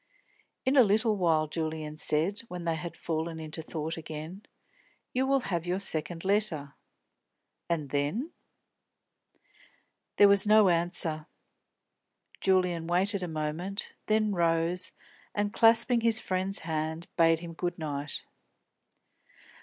"In a little while," Julian said, when they had fallen into thought again, "you will have your second letter. And then?" There was no answer. Julian waited a moment, then rose and, clasping his friend's hand, bade him good night.